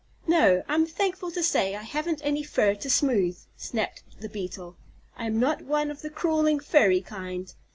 "No, I'm thankful to say I haven't any fur to smooth," snapped the Beetle. "I am not one of the crawling, furry kind.